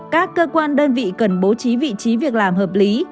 các cơ quan đơn vị cần bố trí vị trí việc làm hợp lý